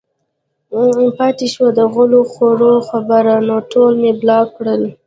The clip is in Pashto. پاتې شوه د غول خورو خبره نو ټول مې بلاک کړل